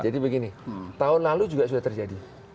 jadi begini tahun lalu juga sudah terjadi